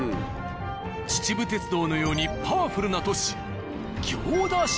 秩父鉄道のようにパワフルな都市。